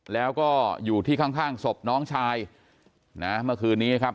แล้วก็อยู่ที่ข้างข้างศพน้องชายนะเมื่อคืนนี้นะครับ